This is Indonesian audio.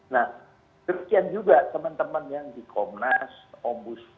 nah kemudian juga teman teman yang di kompolnas ombusan